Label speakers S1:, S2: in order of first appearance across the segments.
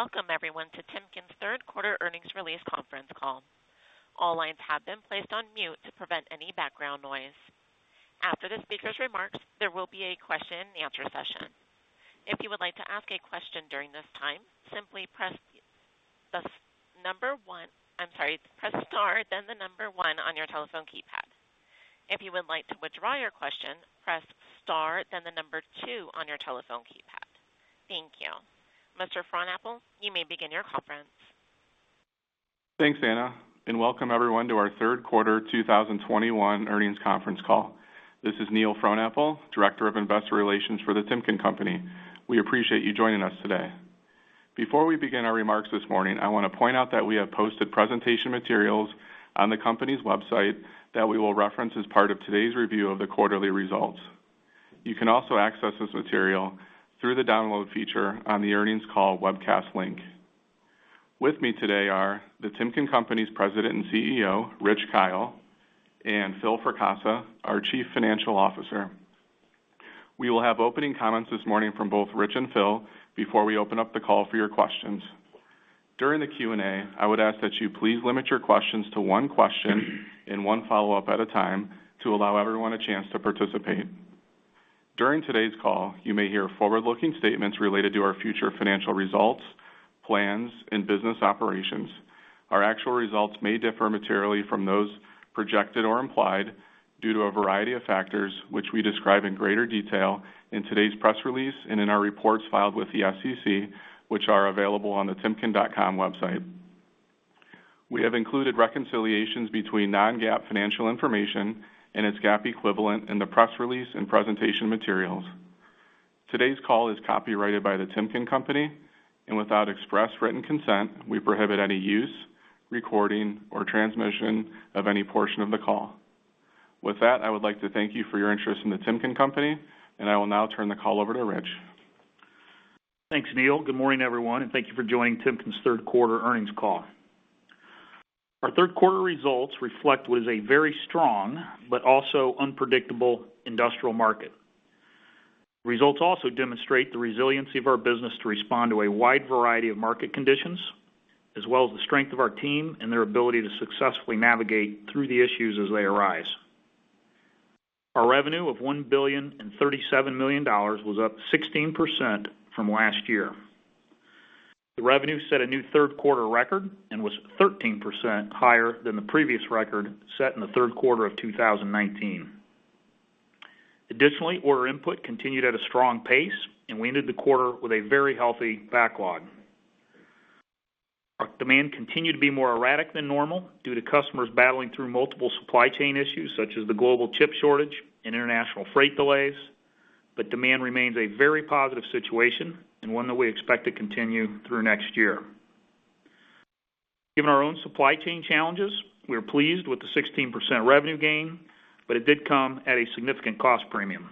S1: Welcome everyone to Timken's Q3 earnings release conference call. All lines have been placed on mute to prevent any background noise. After the speaker's remarks, there will be a question and answer session. If you would like to ask a question during this time, simply press Star, then the number one on your telephone keypad. If you would like to withdraw your question, press Star, then the number two on your telephone keypad. Thank you. Mr. Frohnapple, you may begin your conference.
S2: Thanks, Anna, and welcome everyone to our Q3 2021 earnings conference call. This is Neil Frohnapple, Director of Investor Relations for The Timken Company. We appreciate you joining us today. Before we begin our remarks this morning, I want to point out that we have posted presentation materials on the company's website that we will reference as part of today's review of the quarterly results. You can also access this material through the download feature on the earnings call webcast link. With me today are The Timken Company's President and CEO, Rich Kyle, and Phil Fracassa, our Chief Financial Officer. We will have opening comments this morning from both Rich and Phil before we open up the call for your questions. During the Q&A, I would ask that you please limit your questions to one question and one follow-up at a time to allow everyone a chance to participate. During today's call, you may hear forward-looking statements related to our future financial results, plans, and business operations. Our actual results may differ materially from those projected or implied due to a variety of factors, which we describe in greater detail in today's press release and in our reports filed with the SEC, which are available on the timken.com website. We have included reconciliations between non-GAAP financial information and its GAAP equivalent in the press release and presentation materials. Today's call is copyrighted by The Timken Company and without express written consent, we prohibit any use, recording, or transmission of any portion of the call. With that, I would like to thank you for your interest in The Timken Company, and I will now turn the call over to Richard.
S3: Thanks, Neil. Good morning, everyone, and thank you for joining Timken's Q3 earnings call. Our Q3 results reflect what is a very strong but also unpredictable industrial market. Results also demonstrate the resiliency of our business to respond to a wide variety of market conditions, as well as the strength of our team and their ability to successfully navigate through the issues as they arise. Our revenue of $1.037 billion was up 16% from last year. The revenue set a new Q3 record and was 13% higher than the previous record set in the Q3 of 2019. Additionally, order input continued at a strong pace, and we ended the quarter with a very healthy backlog. Our demand continued to be more erratic than normal due to customers battling through multiple supply chain issues, such as the global chip shortage and international freight delays. Demand remains a very positive situation and one that we expect to continue through next year. Given our own supply chain challenges, we are pleased with the 16% revenue gain, it did come at a significant cost premium.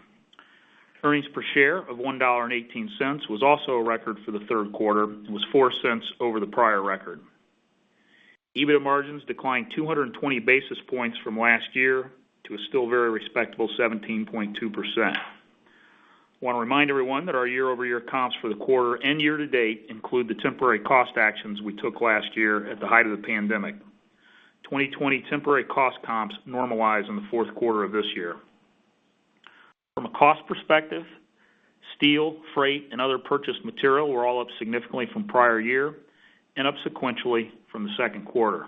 S3: Earnings per share of $1.18 was also a record for the Q3 and was $0.04 over the prior record. EBIT margins declined 220 basis points from last year to a still very respectful 17.2%. want to remind everyone that our year-over-year comps for the quarter and year to date include the temporary cost actions we took last year at the height of the pandemic. 2020 temporary cost comps normalized in the Q4 of this year. From a cost perspective, steel, freight, and other purchased material were all up significantly from prior year and up sequentially from the Q2.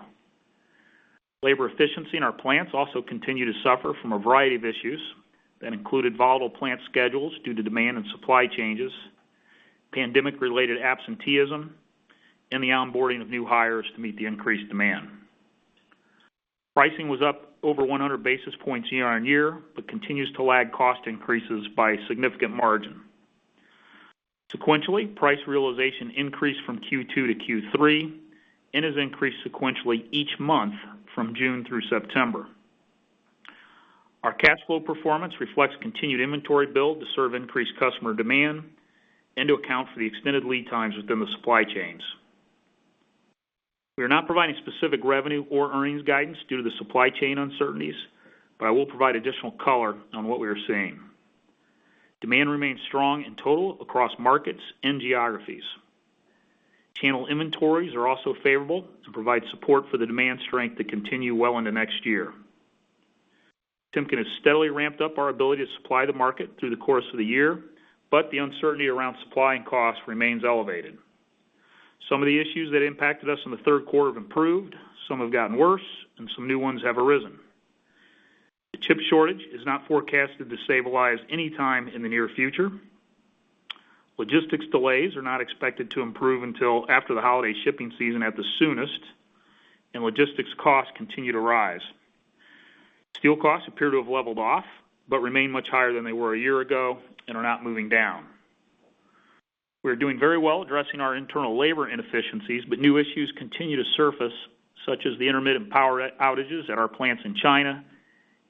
S3: Labor efficiency in our plants also continue to suffer from a variety of issues that included volatile plant schedules due to demand and supply changes, pandemic related absenteeism, and the onboarding of new hires to meet the increased demand. Pricing was up over 100 basis points year-on-year, continues to lag cost increases by a significant margin. Sequentially, price realization increased from Q2 to Q3 and has increased sequentially each month from June through September. Our cash flow performance reflects continued inventory build to serve increased customer demand and to account for the extended lead times within the supply chains. We are not providing specific revenue or earnings guidance due to the supply chain uncertainties, but I will provide additional color on what we are seeing. Demand remains strong in total across markets and geographies. Channel inventories are also favorable to provide support for the demand strength to continue well into next year. Timken has steadily ramped up our ability to supply the market through the course of the year, but the uncertainty around supply and cost remains elevated. Some of the issues that impacted us in the Q3 have improved, some have gotten worse, and some new ones have arisen. The chip shortage is not forecasted to stabilize anytime in the near future. Logistics delays are not expected to improve until after the holiday shipping season at the soonest, and logistics costs continue to rise. Steel costs appear to have leveled off, but remain much higher than they were a year ago and are not moving down. We are doing very well addressing our internal labor inefficiencies, but new issues continue to surface, such as the intermittent power outages at our plants in China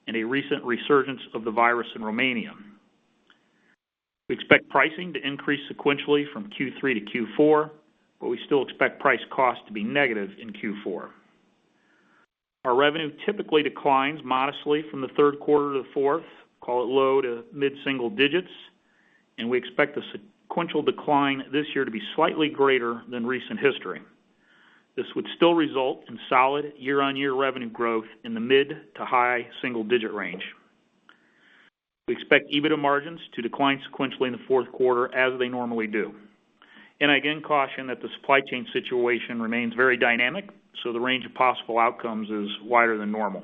S3: and a recent resurgence of the virus in Romania. We expect pricing to increase sequentially from Q3 to Q4, but we still expect price cost to be negative in Q4. Our revenue typically declines modestly from the Q3 to the fourth, call it low- to mid-single-digit %, and we expect the sequential decline this year to be slightly greater than recent history. This would still result in solid year-on-year revenue growth in the mid- to high single-digit % range. We expect EBITDA margins to decline sequentially in the Q4 as they normally do. I again caution that the supply chain situation remains very dynamic, so the range of possible outcomes is wider than normal.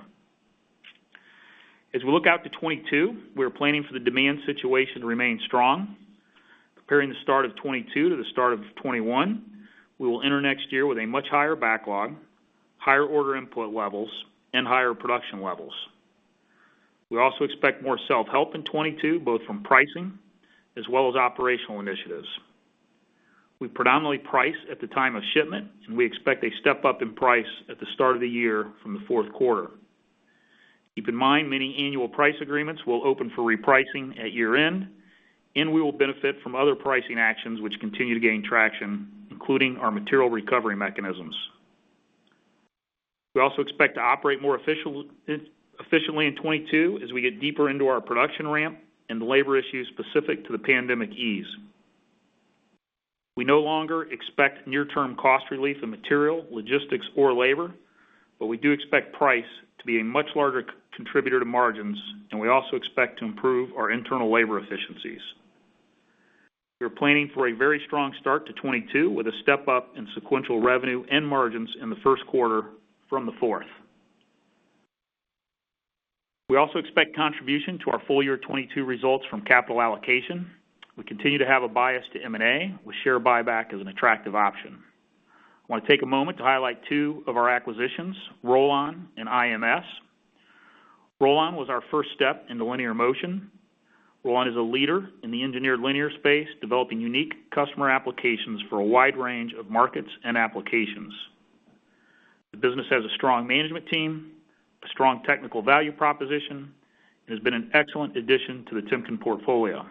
S3: As we look out to 2022, we are planning for the demand situation to remain strong. Comparing the start of 2022 to the start of 2021, we will enter next year with a much higher backlog, higher order input levels, and higher production levels. We also expect more self-help in 2022, both from pricing as well as operational initiatives. We predominantly price at the time of shipment, and we expect a step up in price at the start of the year from the Q4. Keep in mind many annual price agreements will open for repricing at year-end, and we will benefit from other pricing actions which continue to gain traction, including our material recovery mechanisms. We also expect to operate more efficiently in 2022 as we get deeper into our production ramp and the labor issues specific to the pandemic ease. We no longer expect near term cost relief in material, logistics or labor, but we do expect price to be a much larger contributor to margins, and we also expect to improve our internal labor efficiencies. We're planning for a very strong start to 2022 with a step up in sequential revenue and margins in the Q1 from the fourth. We also expect contribution to our full year 2022 results from capital allocation. We continue to have a bias to M&A, with share buyback as an attractive option. I want to take a moment to highlight two of our acquisitions, Rollon and IMS. Rollon was our first step into linear motion. Rollon is a leader in the engineered linear space, developing unique customer applications for a wide range of markets and applications. The business has a strong management team, a strong technical value proposition, and has been an excellent addition to the Timken portfolio.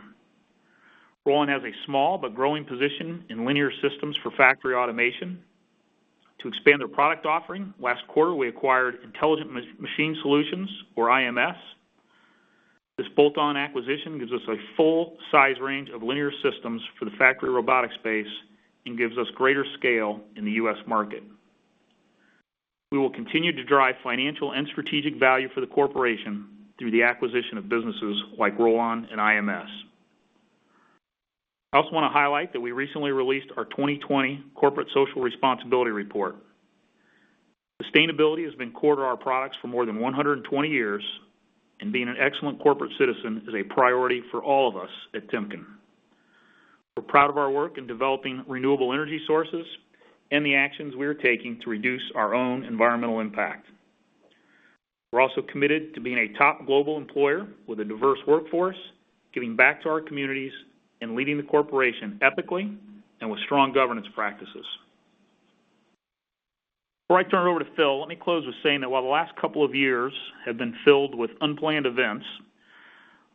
S3: Rollon has a small but growing position in linear systems for factory automation. To expand their product offering, last quarter we acquired Intelligent Machine Solutions, or IMS. This bolt-on acquisition gives us a full size range of linear systems for the factory robotic space and gives us greater scale in the U.S. market. We will continue to drive financial and strategic value for the corporation through the acquisition of businesses like Rollon and IMS. I also want to highlight that we recently released our 2020 Corporate Social Responsibility Report. Sustainability has been core to our products for more than 120 years, and being an excellent corporate citizen is a priority for all of us at Timken. We're proud of our work in developing renewable energy sources and the actions we are taking to reduce our own environmental impact. We're also committed to being a top global employer with a diverse workforce, giving back to our communities and leading the corporation ethically and with strong governance practices. Before I turn it over to Phil, let me close with saying that while the last couple of years have been filled with unplanned events,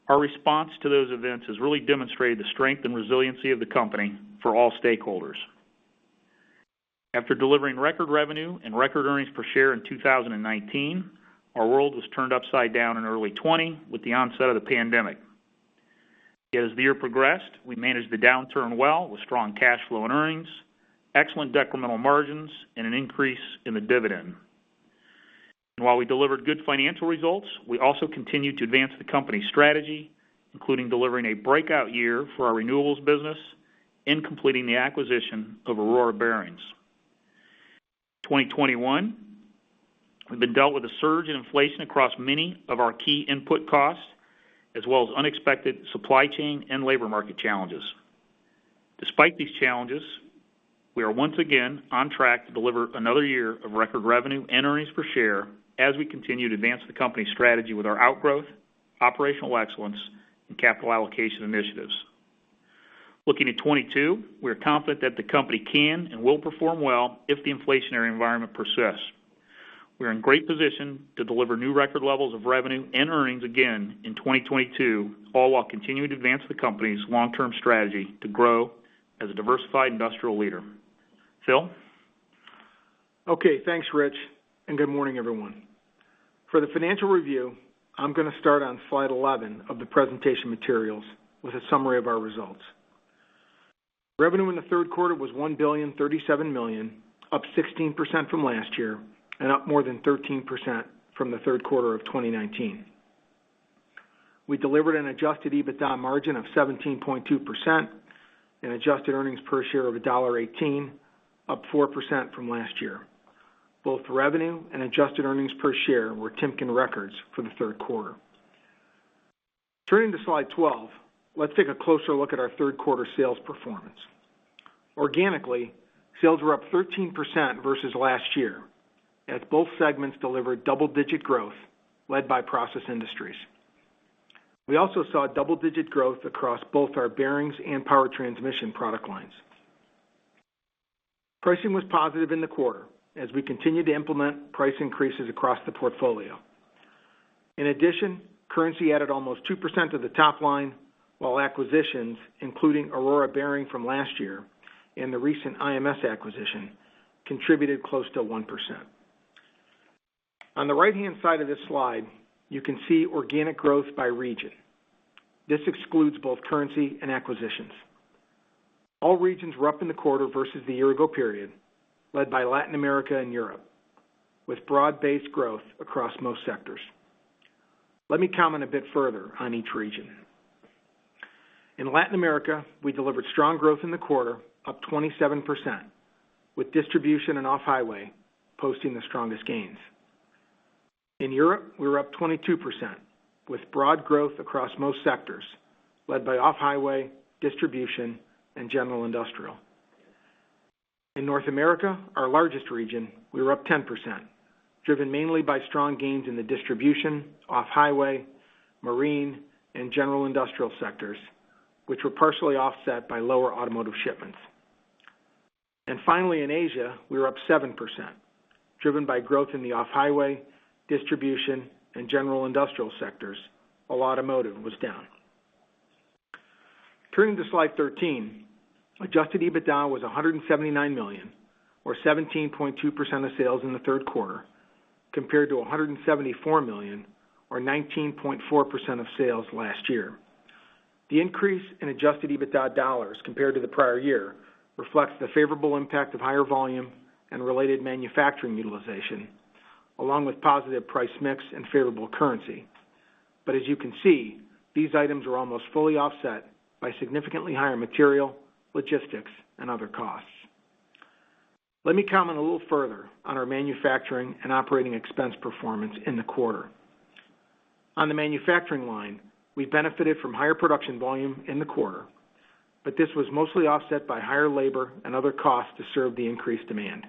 S3: our response to those events has really demonstrated the strength and resiliency of the company for all stakeholders. After delivering record revenue and record earnings per share in 2019, our world was turned upside down in early 2020 with the onset of the pandemic. Yet as the year progressed, we managed the downturn well with strong cash flow and earnings, excellent decremental margins, and an increase in the dividend. While we delivered good financial results, we also continued to advance the company's strategy, including delivering a breakout year for our renewables business and completing the acquisition of Aurora Bearing Company. In 2021, we've been dealt with a surge in inflation across many of our key input costs, as well as unexpected supply chain and labor market challenges. Despite these challenges, we are once again on track to deliver another year of record revenue and earnings per share as we continue to advance the company's strategy with our outperformance, operational excellence, and capital allocation initiatives. Looking at 2022, we are confident that the company can and will perform well if the inflationary environment persists. We are in great position to deliver new record levels of revenue and earnings again in 2022, all while continuing to advance the company's long-term strategy to grow as a diversified industrial leader. Philip?
S4: Okay, thanks, Richard, and good morning, everyone. For the financial review, I'm going to start on slide 11 of the presentation materials with a summary of our results. Revenue in the Q3 was $1.037 billion, up 16% from last year and up more than 13% from the Q3 of 2019. We delivered an adjusted EBITDA margin of 17.2% and adjusted earnings per share of $1.18, up 4% from last year. Both revenue and adjusted earnings per share were Timken records for the Q3. Turning to slide 12, let's take a closer look at our Q3 sales performance. Organically, sales were up 13% versus last year, as both segments delivered double-digit growth led by Process Industries. We also saw double-digit growth across both our bearings and power transmission product lines. Pricing was positive in the quarter as we continued to implement price increases across the portfolio. In addition, currency added almost 2% of the top line, while acquisitions, including Aurora Bearing from last year and the recent IMS acquisition, contributed close to 1%. On the right-hand side of this slide, you can see organic growth by region. This excludes both currency and acquisitions. All regions were up in the quarter versus the year ago period, led by Latin America and Europe, with broad-based growth across most sectors. Let me comment a bit further on each region. In Latin America, we delivered strong growth in the quarter up 27%, with distribution and off-highway posting the strongest gains. In Europe, we were up 22% with broad growth across most sectors, led by off-highway, distribution, and general industrial. In North America, our largest region, we were up 10%, driven mainly by strong gains in the distribution, off-highway, marine and general industrial sectors, which were partially offset by lower automotive shipments. Finally, in Asia, we were up 7%, driven by growth in the off-highway, distribution, and general industrial sectors, while automotive was down. Turning to slide 13, adjusted EBITDA was $179 million or 17.2% of sales in the Q3, compared to $174 million or 19.4% of sales last year. The increase in adjusted EBITDA dollars compared to the prior year reflects the favorable impact of higher volume and related manufacturing utilization, along with positive price mix and favorable currency. As you can see, these items were almost fully offset by significantly higher material, logistics, and other costs. Let me comment a little further on our manufacturing and operating expense performance in the quarter. On the manufacturing line, we benefited from higher production volume in the quarter, but this was mostly offset by higher labor and other costs to serve the increased demand.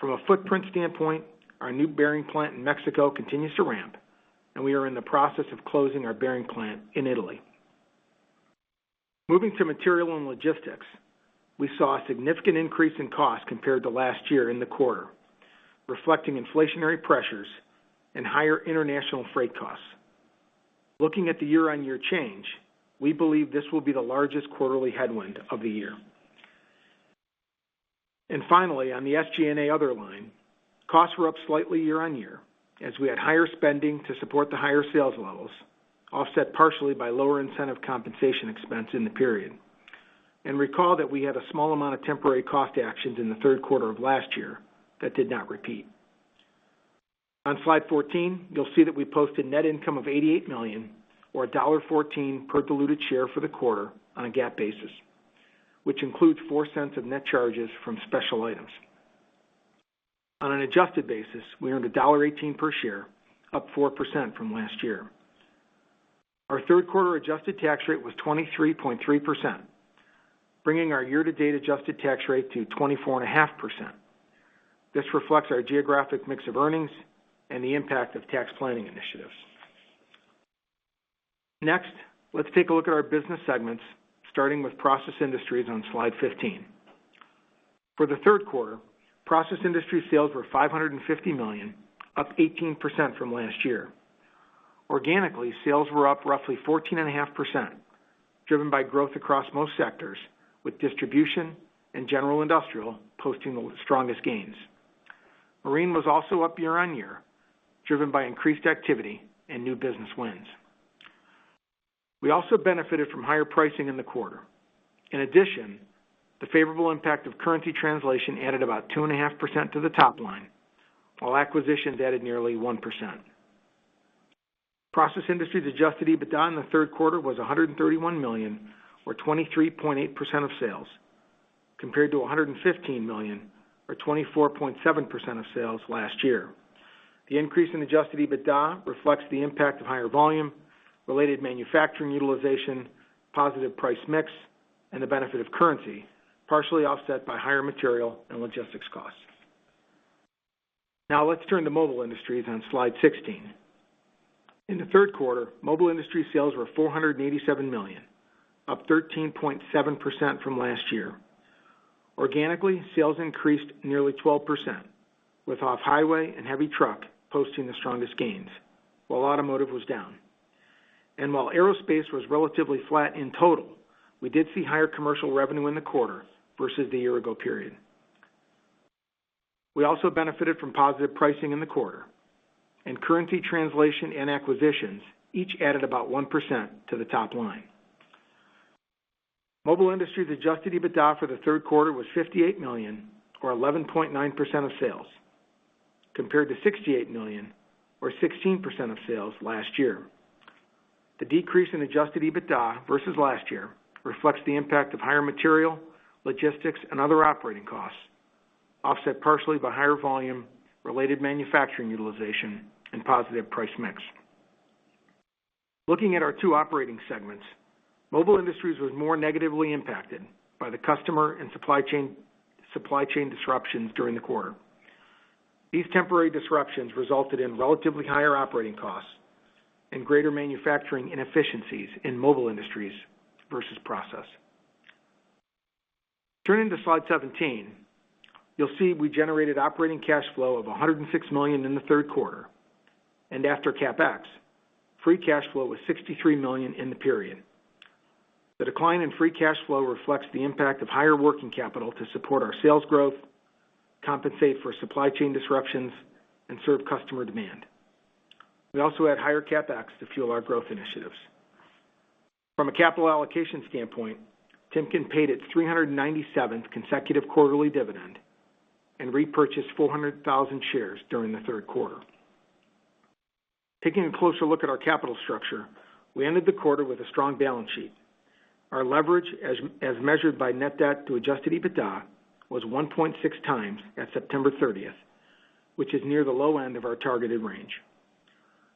S4: From a footprint standpoint, our new bearing plant in Mexico continues to ramp, and we are in the process of closing our bearing plant in Italy. Moving to material and logistics, we saw a significant increase in cost compared to last year in the quarter, reflecting inflationary pressures and higher international freight costs. Looking at the year-over-year change, we believe this will be the largest quarterly headwind of the year. Finally, on the SG&A other line, costs were up slightly year-over-year as we had higher spending to support the higher sales levels, offset partially by lower incentive compensation expense in the period. Recall that we had a small amount of temporary cost actions in the Q3 of last year that did not repeat. On slide 14, you'll see that we posted net income of $88 million or $1.14 per diluted share for the quarter on a GAAP basis, which includes $0.04 of net charges from special items. On an adjusted basis, we earned $1.18 per share, up 4% from last year. Our Q3 adjusted tax rate was 23.3%, bringing our year-to-date adjusted tax rate to 24.5%. This reflects our geographic mix of earnings and the impact of tax planning initiatives. Next, let's take a look at our business segments, starting with Process Industries on slide 15. For the Q3, Process Industries sales were $550 million, up 18% from last year. Organically, sales were up roughly 14.5%, driven by growth across most sectors, with distribution and general industrial posting the strongest gains. Marine was also up year-on-year, driven by increased activity and new business wins. We also benefited from higher pricing in the quarter. In addition, the favorable impact of currency translation added about 2.5% to the top line, while acquisitions added nearly 1%. Process Industries' adjusted EBITDA in the Q3 was $131 million, or 23.8% of sales, compared to $115 million, or 24.7% of sales last year. The increase in adjusted EBITDA reflects the impact of higher volume, related manufacturing utilization, positive price mix, and the benefit of currency, partially offset by higher material and logistics costs. Now let's turn to Mobile Industries on slide 16. In the Q3, Mobile Industries sales were $487 million, up 13.7% from last year. Organically, sales increased nearly 12%, with off-highway and heavy truck posting the strongest gains while automotive was down. While aerospace was relatively flat in total, we did see higher commercial revenue in the quarter versus the year ago period. We also benefited from positive pricing in the quarter, and currency translation and acquisitions each added about 1% to the top line. Mobile Industries' adjusted EBITDA for the Q3 was $58 million, or 11.9% of sales, compared to $68 million or 16% of sales last year. The decrease in adjusted EBITDA versus last year reflects the impact of higher material, logistics, and other operating costs, offset partially by higher volume related manufacturing utilization and positive price mix. Looking at our two operating segments, Mobile Industries was more negatively impacted by the customer and supply chain disruptions during the quarter. These temporary disruptions resulted in relatively higher operating costs and greater manufacturing inefficiencies in Mobile Industries versus Process Industries. Turning to slide 17, you'll see we generated operating cash flow of $106 million in the Q3. After CapEx, free cash flow was $63 million in the period. The decline in free cash flow reflects the impact of higher working capital to support our sales growth, compensate for supply chain disruptions, and serve customer demand. We also had higher CapEx to fuel our growth initiatives. From a capital allocation standpoint, Timken paid its 397th consecutive quarterly dividend and repurchased 400,000 shares during the Q3. Taking a closer look at our capital structure, we ended the quarter with a strong balance sheet. Our leverage as measured by net debt to adjusted EBITDA was 1.6 times at September thirtieth, which is near the low end of our targeted range.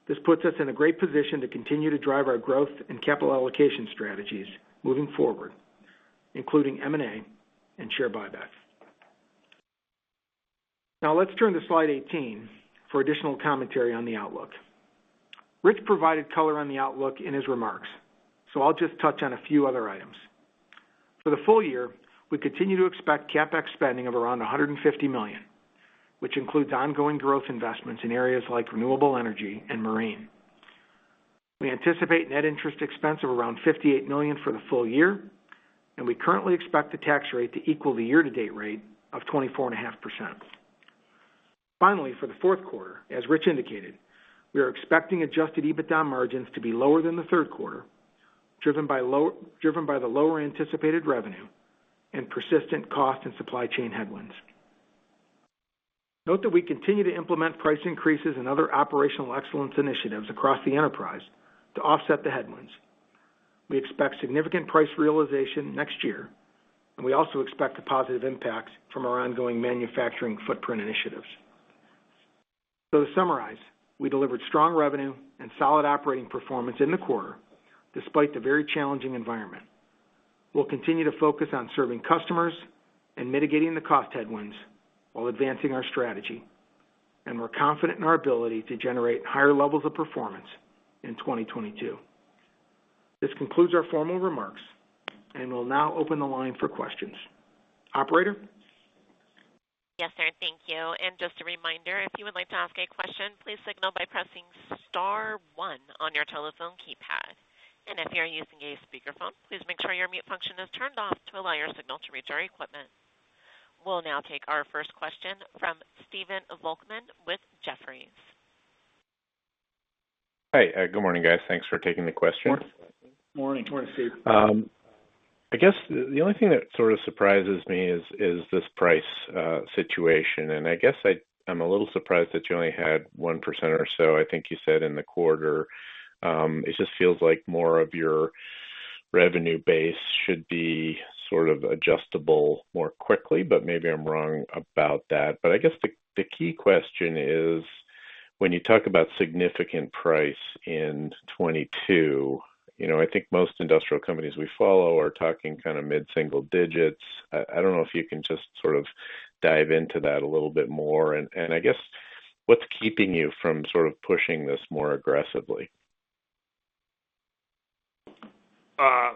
S4: This puts us in a great position to continue to drive our growth and capital allocation strategies moving forward, including M&A and share buybacks. Now let's turn to slide 18 for additional commentary on the outlook. Rich provided color on the outlook in his remarks, so I'll just touch on a few other items. For the full year, we continue to expect CapEx spending of around $150 million, which includes ongoing growth investments in areas like renewable energy and marine. We anticipate net interest expense of around $58 million for the full year, and we currently expect the tax rate to equal the year-to-date rate of 24.5%. Finally, for the Q4, as Rich indicated, we are expecting adjusted EBITDA margins to be lower than the Q3, driven by the lower anticipated revenue and persistent cost and supply chain headwinds. Note that we continue to implement price increases and other operational excellence initiatives across the enterprise to offset the headwinds. We expect significant price realization next year, and we also expect a positive impact from our ongoing manufacturing footprint initiatives. To summarize, we delivered strong revenue and solid operating performance in the quarter, despite the very challenging environment. We'll continue to focus on serving customers and mitigating the cost headwinds while advancing our strategy, and we're confident in our ability to generate higher levels of performance in 2022. This concludes our formal remarks, and we'll now open the line for questions. Operator?
S1: Yes, sir. Thank you. Just a reminder, if you would like to ask a question, please signal by pressing star one on your telephone keypad. If you are using a speakerphone, please make sure your mute function is turned off to allow your signal to reach our equipment. We'll now take our first question from Stephen Volkmann with Jefferies.
S5: Hi. Good morning, guys. Thanks for taking the question.
S4: Morning.
S3: Morning.
S4: Morning, Stephen.
S5: I guess the only thing that sort of surprises me is this price situation. I guess I'm a little surprised that you only had 1% or so, I think you said in the quarter. It just feels like more of your revenue base should be sort of adjustable more quickly, but maybe I'm wrong about that. I guess the key question is, when you talk about significant price in 2022, you know, I think most industrial companies we follow are talking kind of mid-single digits. I don't know if you can just sort of dive into that a little bit more. I guess, what's keeping you from sort of pushing this more aggressively?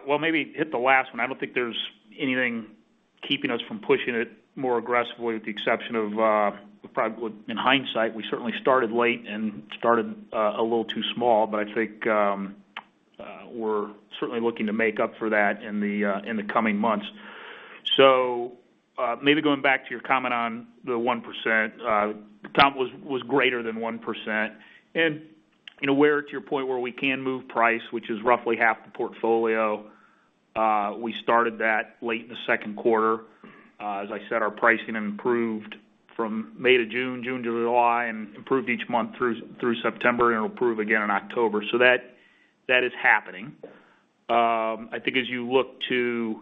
S3: Well, maybe hit the last one. I don't think there's anything keeping us from pushing it more aggressively with the exception of probably in hindsight, we certainly started late and a little too small. I think we're certainly looking to make up for that in the coming months. Maybe going back to your comment on the 1%, Tom, was greater than 1%. You know, to your point, where we can move price, which is roughly half the portfolio, we started that late in the Q2. As I said, our pricing improved from May to June to July, and improved each month through September and it'll improve again in October. That is happening. I think as you look to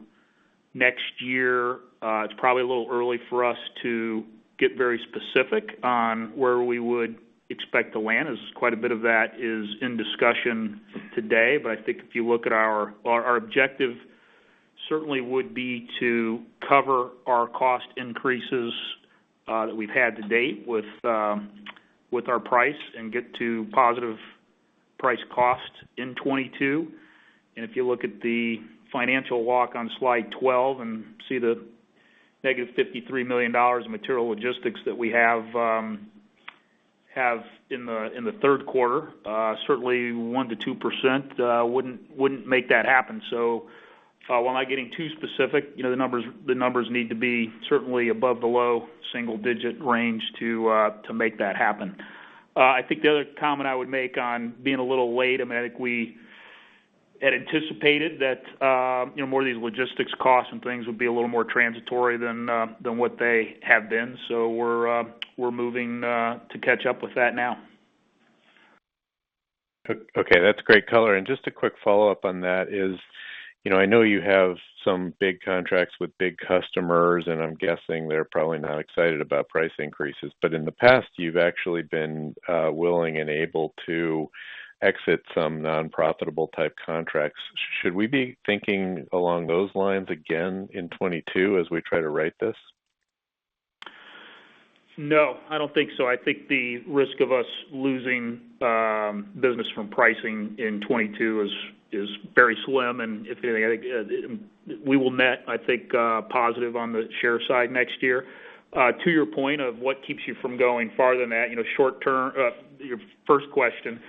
S3: next year, it's probably a little early for us to get very specific on where we would expect to land, as quite a bit of that is in discussion today. I think if you look at our objective certainly would be to cover our cost increases that we've had to date with our price and get to positive price-cost in 2022. If you look at the financial walk on slide 12 and see the -$53 million in material logistics that we have in the Q3, certainly 1%-2% wouldn't make that happen. While not getting too specific, you know, the numbers need to be certainly above the low single-digit range to make that happen. I think the other comment I would make on being a little late. I mean, I think we had anticipated that, you know, more of these logistics costs and things would be a little more transitory than what they have been. We're moving to catch up with that now.
S5: Okay, that's great color. Just a quick follow-up on that is, you know, I know you have some big contracts with big customers, and I'm guessing they're probably not excited about price increases. In the past, you've actually been willing and able to exit some non-profitable type contracts. Should we be thinking along those lines again in 2022 as we try to write this?
S3: No, I don't think so. I think the risk of us losing business from pricing in 2022 is very slim. If anything, I think we will net positive on the share side next year. To your point of what keeps you from going farther than that, you know, short term. Your first question.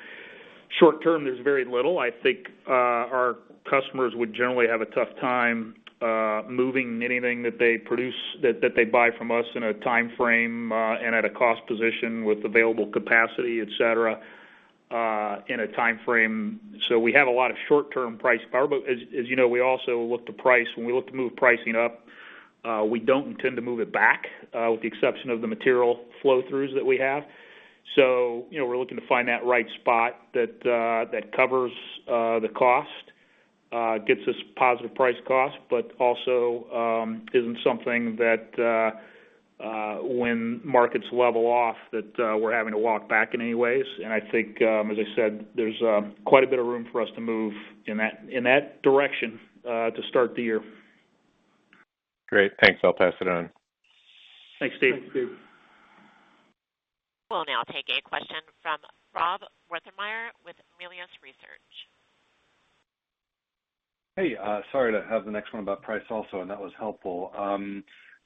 S3: Short term, there's very little. I think our customers would generally have a tough time moving anything that they buy from us in a timeframe and at a cost position with available capacity, et cetera, in a timeframe. We have a lot of short-term price power. As you know, we also look to price. When we look to move pricing up, we don't intend to move it back, with the exception of the material flow-throughs that we have. You know, we're looking to find that right spot that covers the cost, gets us positive price cost, but also isn't something that when markets level off we're having to walk back in any way. I think, as I said, there's quite a bit of room for us to move in that direction to start the year.
S5: Great. Thanks. I'll pass it on.
S3: Thanks, Stephen.
S4: Thanks, Stephen.
S1: We'll now take a question from Rob Wertheimer with Melius Research.
S6: Hey. Sorry to have the next one about price also, and that was helpful.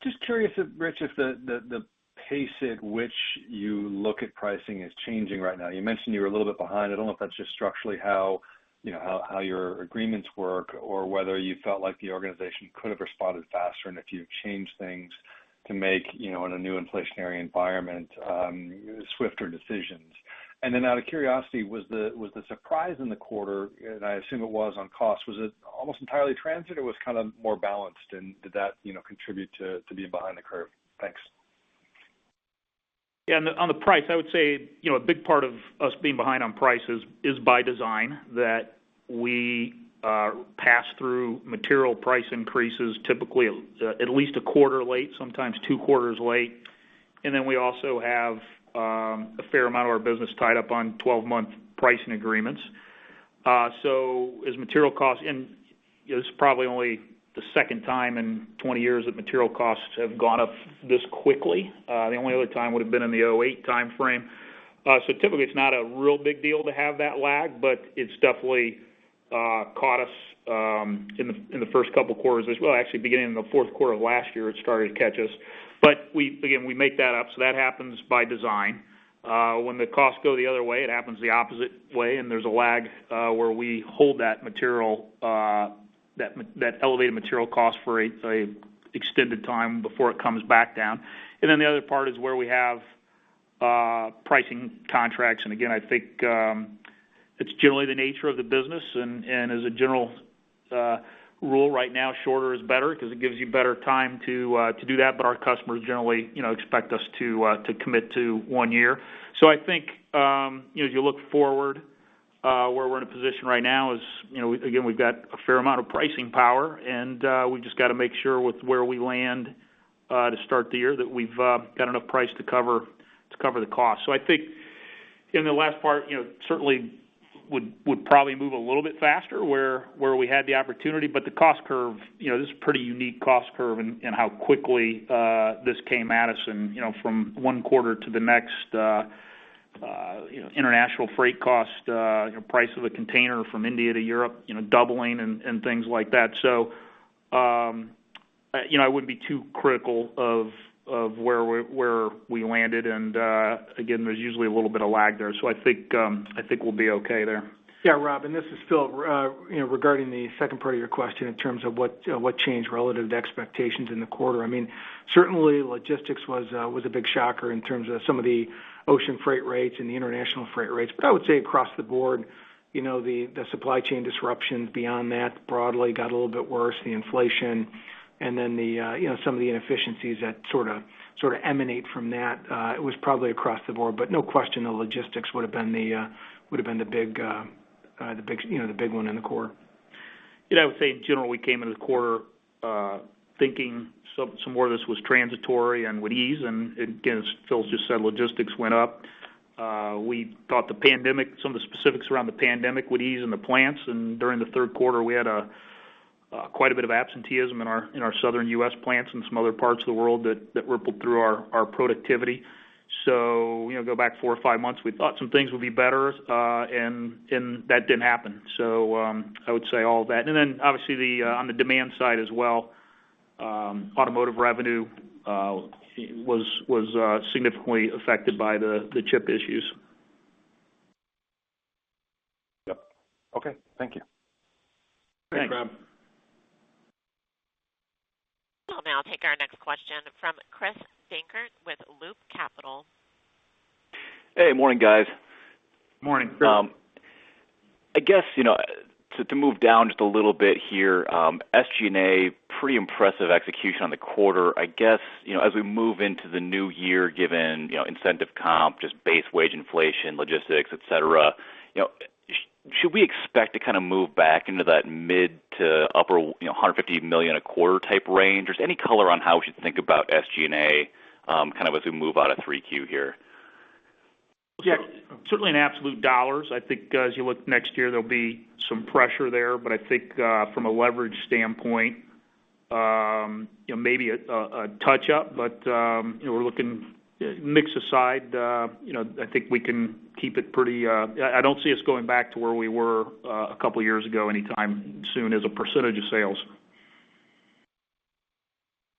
S6: Just curious if, Rich, the pace at which you look at pricing is changing right now. You mentioned you were a little bit behind. I don't know if that's just structurally how, you know, your agreements work or whether you felt like the organization could have responded faster, and if you've changed things to make, you know, in a new inflationary environment, swifter decisions. Out of curiosity, was the surprise in the quarter, and I assume it was on cost, almost entirely transit or kind of more balanced? Did that, you know, contribute to being behind the curve? Thanks.
S3: Yeah. On the price, I would say, you know, a big part of us being behind on prices is by design that we pass through material price increases typically at least a quarter late, sometimes two quarters late. Then we also have a fair amount of our business tied up on 12-month pricing agreements. As material costs, you know, this is probably only the second time in 20 years that material costs have gone up this quickly. The only other time would have been in the 2008 timeframe. Typically it's not a real big deal to have that lag, but it's definitely caught us in the first couple quarters as well. Actually, beginning in the Q4 of last year it started to catch us. We, again, make that up, so that happens by design. When the costs go the other way, it happens the opposite way and there's a lag, where we hold that material, that elevated material cost for an extended time before it comes back down. Then the other part is where we have pricing contracts. Again, I think, it's generally the nature of the business and as a general rule right now, shorter is better 'cause it gives you better time to do that. Our customers generally, you know, expect us to commit to one year. I think, you know, as you look forward, where we're in a position right now is, you know, again, we've got a fair amount of pricing power and we've just got to make sure with where we land to start the year that we've got enough price to cover the cost. I think in the last part, you know, certainly would probably move a little bit faster where we had the opportunity. The cost curve, you know, this is a pretty unique cost curve in how quickly this came at us and, you know, from one quarter to the next, you know, international freight cost, you know, price of a container from India to Europe, you know, doubling and things like that. You know, I wouldn't be too critical of where we landed. Again, there's usually a little bit of lag there. I think we'll be okay there.
S4: Yeah, Rob Wertheimer, and this is Phil Fracassa. You know, regarding the second part of your question in terms of what changed relative to expectations in the quarter. I mean, certainly logistics was a big shocker in terms of some of the ocean freight rates and the international freight rates. I would say across the board, you know, the supply chain disruptions beyond that broadly got a little bit worse, the inflation, and then, you know, some of the inefficiencies that sort of emanate from that. It was probably across the board. No question that logistics would have been the big one in the quarter.
S3: Yeah. I would say in general, we came into the quarter thinking some more of this was transitory and would ease. Again, as Philip just said, logistics went up. We thought the pandemic, some of the specifics around the pandemic would ease in the plants. During the Q3 we had quite a bit of absenteeism in our Southern U.S. plants and some other parts of the world that rippled through our productivity. You know, go back four or five months, we thought some things would be better and that didn't happen. I would say all of that. Then obviously on the demand side as well, automotive revenue was significantly affected by the chip issues.
S6: Yep. Okay. Thank you.
S3: Thanks.
S4: Thanks, Rob.
S1: We'll now take our next question from Chris Dankert with Loop Capital.
S7: Hey, morning, guys.
S3: Morning.
S4: Chris.
S6: I guess, you know, to move down just a little bit here, SG&A, pretty impressive execution on the quarter. I guess, you know, as we move into the new year, given, you know, incentive comp, just base wage inflation, logistics, et cetera, you know, should we expect to kind of move back into that mid- to upper $150 million a quarter type range? Or just any color on how we should think about SG&A, kind of as we move out of 3Q here?
S4: Yeah, certainly in absolute dollars. I think as you look next year, there'll be some pressure there. I think, from a leverage standpoint, you know, maybe a touch-up, but, you know, we're looking mix aside, you know, I think we can keep it pretty. I don't see us going back to where we were, a couple of years ago anytime soon as a percentage of sales.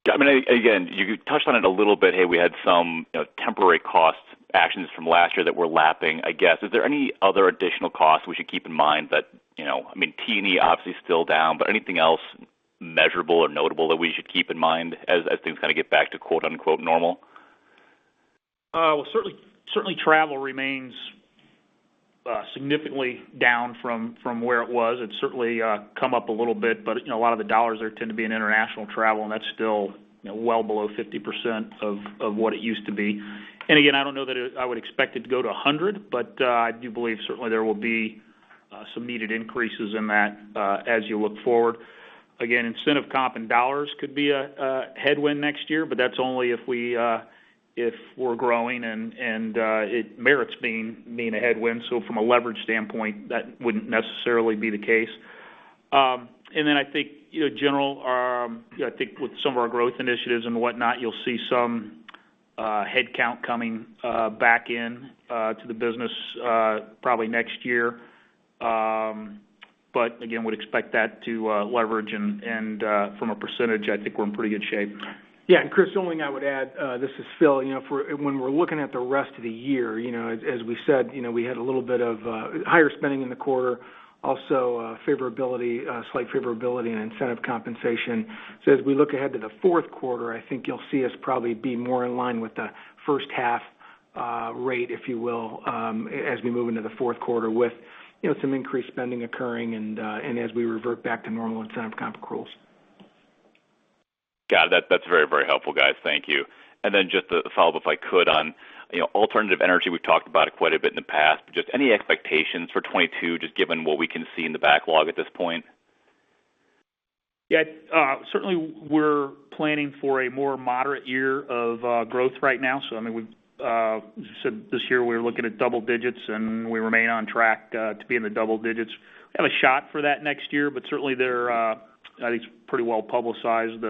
S7: Yeah, I mean, again, you touched on it a little bit here. We had some, you know, temporary cost actions from last year that we're lapping, I guess. Is there any other additional costs we should keep in mind that, you know, I mean, T&E obviously still down, but anything else measurable or notable that we should keep in mind as things kind of get back to quote-unquote normal?
S3: Well, certainly travel remains significantly down from where it was. It's certainly come up a little bit, but you know, a lot of the dollars there tend to be in international travel, and that's still you know, well below 50% of what it used to be. Again, I don't know that it. I would expect it to go to 100, but I do believe certainly there will be some needed increases in that as you look forward. Again, incentive comp in dollars could be a headwind next year, but that's only if we're growing and it merits being a headwind. From a leverage standpoint, that wouldn't necessarily be the case. I think, you know, general, you know, I think with some of our growth initiatives and whatnot, you'll see some head count coming back in to the business probably next year. Again, would expect that to leverage and from a percentage, I think we're in pretty good shape.
S4: Yeah, Chris, the only thing I would add, this is Phil Fracassa. You know, when we're looking at the rest of the year, you know, as we said, you know, we had a little bit of higher spending in the quarter, also slight favorability in incentive compensation. As we look ahead to the Q4, I think you'll see us probably be more in line with the first half rate, if you will, as we move into the Q4 with you know, some increased spending occurring and as we revert back to normal incentive comp rules.
S7: Got it. That's very helpful, guys. Thank you. Just a follow-up, if I could, on, you know, alternative energy. We've talked about it quite a bit in the past. Just any expectations for 2022, just given what we can see in the backlog at this point?
S3: Yeah. Certainly we're planning for a more moderate year of growth right now. I mean, we've, as I said, this year we're looking at double digits, and we remain on track to be in the double digits. We have a shot for that next year, but certainly there are, I think it's pretty well-publicized,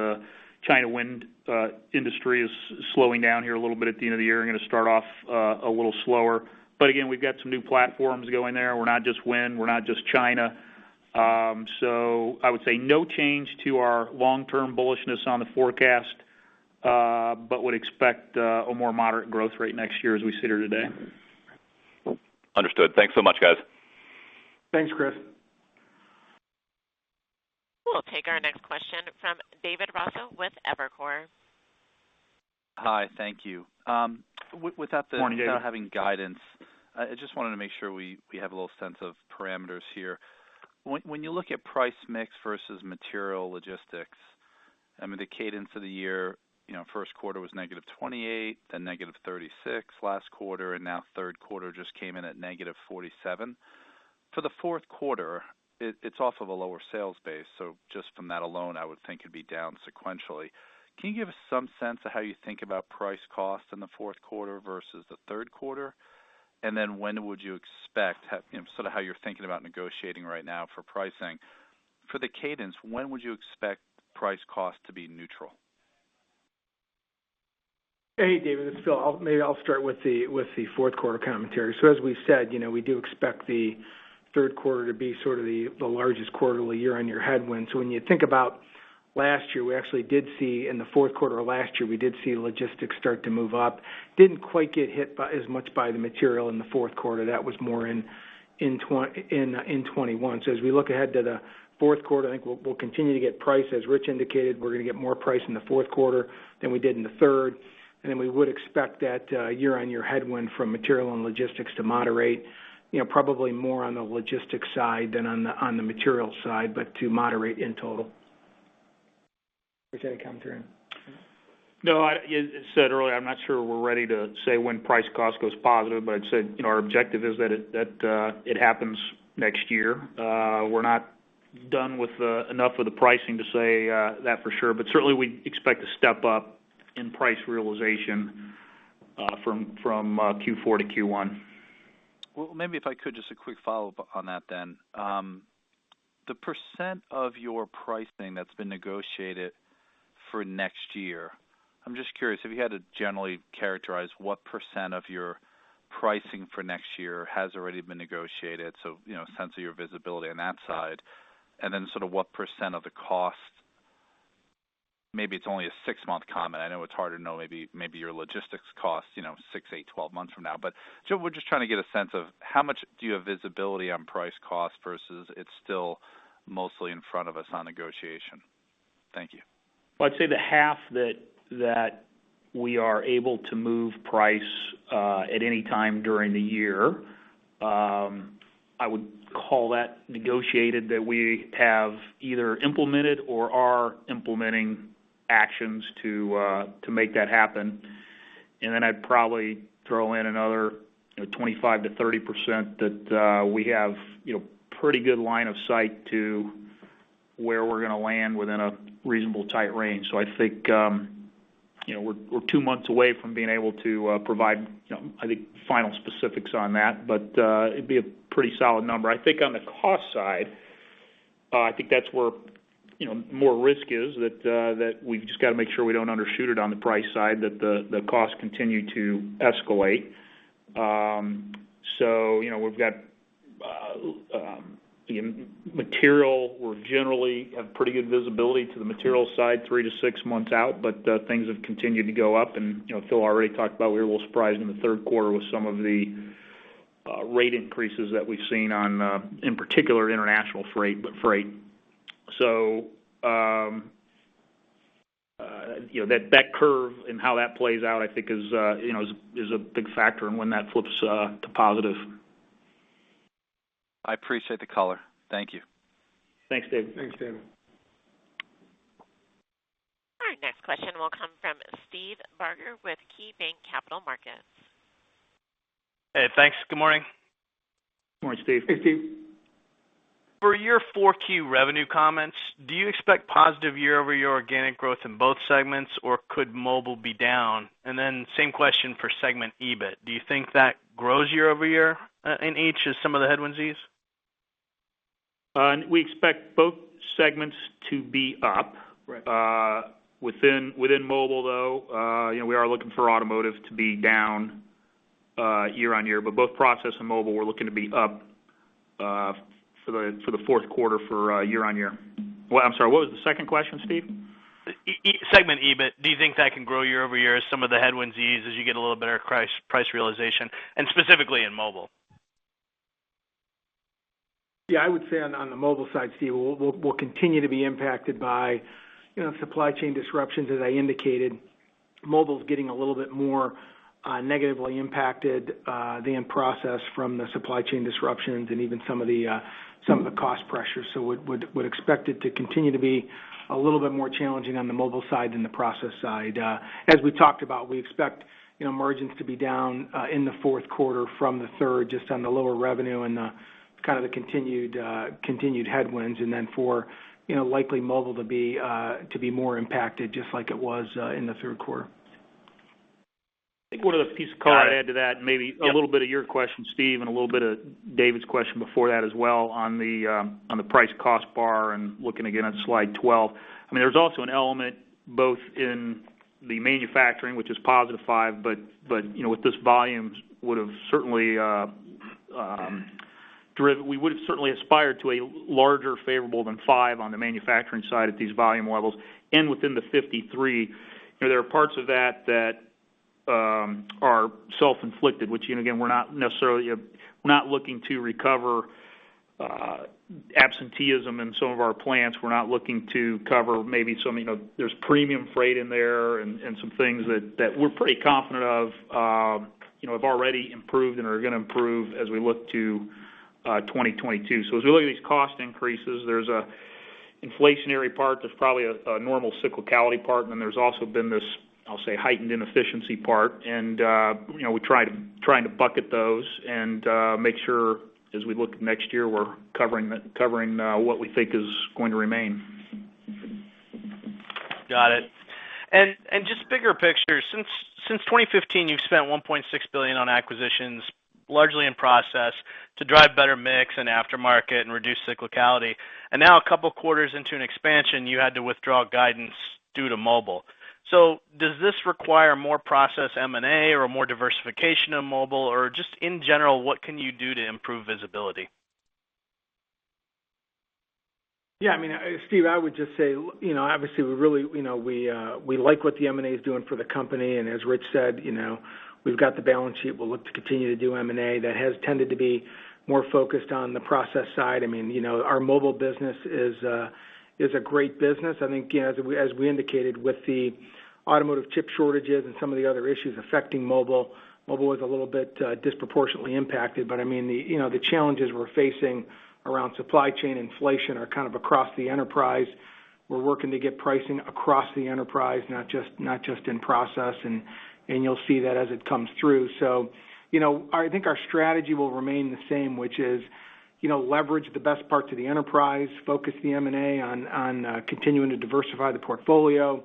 S3: China wind industry is slowing down here a little bit at the end of the year and going to start off a little slower. Again, we've got some new platforms going there. We're not just wind, we're not just China. I would say no change to our long-term bullishness on the forecast, but would expect a more moderate growth rate next year as we sit here today.
S7: Understood. Thanks so much, guys.
S4: Thanks, Chris.
S1: We'll take our next question from David Raso with Evercore ISI.
S8: Morning, David. Hi. Thank you. Without guidance, I just wanted to make sure we have a little sense of parameters here. When you look at price mix versus material logistics, I mean, the cadence of the year, you know, Q1 was negative 28%, then negative 36% last quarter, and now Q3 just came in at negative 47%. For the Q4, it's off of a lower sales base. So just from that alone, I would think it'd be down sequentially. Can you give us some sense of how you think about price cost in the Q4 versus the Q3? Then when would you expect, you know, sort of how you're thinking about negotiating right now for pricing? For the cadence, when would you expect price cost to be neutral?
S4: Hey, David, this is Phil. I'll maybe start with the Q4 commentary. As we've said, you know, we do expect the Q3 to be sort of the largest quarter-over-year headwind. When you think about last year, we actually did see in the Q4 of last year, we did see logistics start to move up. Didn't quite get hit by as much by the material in the Q4. That was more in 2021. As we look ahead to the Q4, I think we'll continue to get price. As Rich indicated, we're going to get more price in the Q4 than we did in the third. We would expect that year-over-year headwind from material and logistics to moderate, you know, probably more on the logistics side than on the material side, but to moderate in total.
S3: Rich, anything to come through? No, as said earlier, I'm not sure we're ready to say when price cost goes positive, but I'd say, you know, our objective is that it happens next year. We're not done with enough of the pricing to say that for sure. But certainly we expect a step up in price realization from Q4 to Q1.
S8: Well, maybe if I could, just a quick follow-up on that then. The % of your pricing that's been negotiated for next year, I'm just curious, if you had to generally characterize what % of your pricing for next year has already been negotiated, so, you know, a sense of your visibility on that side. Then sort of what % of the cost, maybe it's only a six-month comment. I know it's hard to know maybe your logistics costs, you know, 6, 8, 12 months from now. We're just trying to get a sense of how much do you have visibility on price cost versus it's still mostly in front of us on negotiation. Thank you.
S3: Well, I'd say the half that we are able to move price at any time during the year. I would call that negotiated, that we have either implemented or are implementing actions to make that happen. Then I'd probably throw in another, you know, 25%-30% that we have, you know, pretty good line of sight to where we're going to land within a reasonable tight range. We're two months away from being able to provide, you know, I think, final specifics on that, but it'd be a pretty solid number. I think on the cost side, I think that's where, you know, more risk is, that we've just got it make sure we don't undershoot it on the price side, that the costs continue to escalate. You know, we've got material. We generally have pretty good visibility to the material side, 3-6 months out, but the things have continued to go up. You know, Phil already talked about we were a little surprised in the Q3 with some of the rate increases that we've seen on, in particular international freight, but freight. You know, that curve and how that plays out, I think is a big factor in when that flips to positive.
S8: I appreciate the color. Thank you.
S3: Thanks, David.
S4: Thanks, David.
S1: Our next question will come from Steve Barger with KeyBanc Capital Markets.
S9: Hey, thanks. Good morning.
S3: Good morning, Steve.
S4: Hey, Steve.
S9: For your 4Q revenue comments, do you expect positive year-over-year organic growth in both segments, or could mobile be down? Same question for segment EBIT. Do you think that grows year-over-year in each as some of the headwinds ease?
S3: We expect both segments to be up.
S9: Right.
S3: Within Mobile though, you know, we are looking for automotive to be down year-on-year. Both Process and Mobile, we're looking to be up for the Q4 year-on-year. I'm sorry, what was the second question, Steve?
S9: segment EBIT, do you think that can grow year-over-year as some of the headwinds ease as you get a little better at price realization and specifically in Mobile?
S4: Yeah, I would say on the mobile side, Steve, we'll continue to be impacted by, you know, supply chain disruptions. As I indicated, mobile is getting a little bit more negatively impacted than process from the supply chain disruptions and even some of the cost pressures. Would expect it to continue to be a little bit more challenging on the mobile side than the process side. As we talked about, we expect, you know, margins to be down in the Q4 from the third, just on the lower revenue and the kind of the continued headwinds. For, you know, likely mobile to be more impacted just like it was in the Q3.
S3: I think one other piece of color to add to that, maybe a little bit of your question, Steve, and a little bit of David's question before that as well on the price cost bar and looking again at slide 12. I mean, there's also an element both in the manufacturing, which is positive five, but you know, with this volumes we would have certainly aspired to a larger favorable than five on the manufacturing side at these volume levels and within the 53. You know, there are parts of that that are self-inflicted, which even again, we're not necessarily, we're not looking to recover absenteeism in some of our plants. We're not looking to cover maybe some, you know. There's premium freight in there and some things that we're pretty confident of, you know, have already improved and are going to improve as we look to 2022. As we look at these cost increases, there's a inflationary part that's probably a normal cyclicality part. Then there's also been this, I'll say, heightened inefficiency part. You know, we're trying to bucket those and make sure as we look next year, we're covering what we think is going to remain.
S9: Got it. Just bigger picture, since 2015, you've spent $1.6 billion on acquisitions, largely in Process, to drive better mix and aftermarket and reduce cyclicality. Now a couple quarters into an expansion, you had to withdraw guidance due to Mobile. Does this require more Process M&A or more diversification in Mobile? Just in general, what can you do to improve visibility?
S4: Yeah. I mean, Steve, I would just say, you know, obviously, we really, you know, we like what the M&A is doing for the company. As Rich said, you know, we've got the balance sheet. We'll look to continue to do M&A. That has tended to be more focused on the Process side. I mean, you know, our Mobile business is a great business. I think, you know, as we indicated with the automotive chip shortages and some of the other issues affecting Mobile was a little bit disproportionately impacted. I mean, the challenges we're facing around supply chain inflation are kind of across the enterprise. We're working to get pricing across the enterprise, not just in Process, and you'll see that as it comes through. You know, I think our strategy will remain the same, which is, you know, leverage the best parts of the enterprise, focus the M&A on continuing to diversify the portfolio